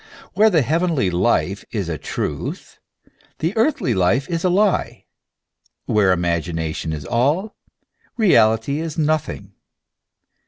Where the heavenly life is a truth, the earthly life is a lie ; where imagination is all, reality is nothing.